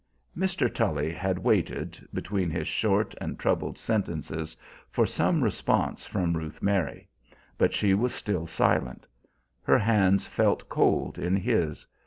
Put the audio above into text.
Mr. Tully had waited, between his short and troubled sentences, for some response from Ruth Mary, but she was still silent. Her hands felt cold in his.